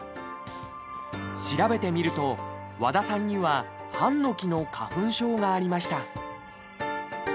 調べてみると、和田さんにはハンノキの花粉症がありました。